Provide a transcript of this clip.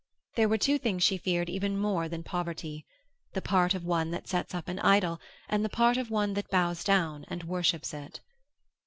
There were two things she feared even more than poverty: the part of one that sets up an idol and the part of one that bows down and worships it.